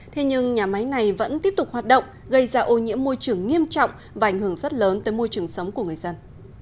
thế nhưng nhà máy này vẫn tiếp tục hoạt động gây ra ô nhiễm môi trường nghiêm trọng và ảnh hưởng rất lớn tới môi trường sống của người dân